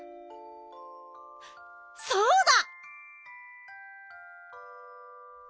そうだ！